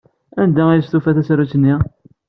Anda ay d-tufa tasarut-nni?